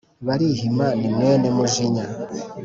Barihima ni mwene Mujinya.